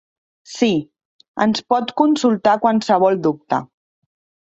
Sí, ens pot consultar qualsevol dubte.